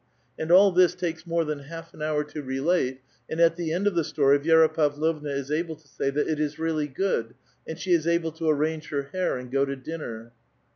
And all this takes more than half an hour to relate ; and at the end of the story Vi^ra Pavlovna is able to say that it is really good, and she is able to ar range her hair and go to dinner.